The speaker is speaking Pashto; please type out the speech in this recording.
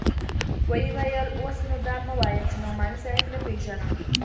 ويې ويل اوس نو دا مه وايه چې نعماني صاحب نه پېژنم.